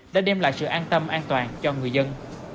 đã đem lại sự an tâm an toàn cho người dân